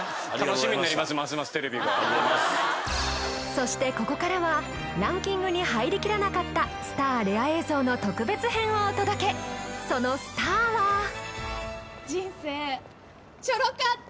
そしてここからはランキングに入りきらなかったスターレア映像の特別編をお届けそのスターは人生ちょろかった